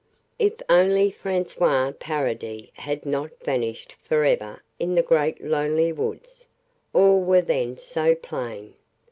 If only François Paradis had not vanished forever in the great lonely woods, all were then so plain.